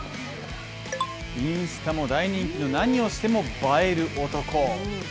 インスタも大人気の何をしても映える男。